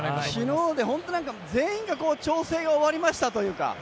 昨日で本当に全員が調整終わりましたというか。